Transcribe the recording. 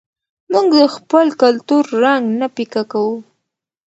موږ د خپل کلتور رنګ نه پیکه کوو.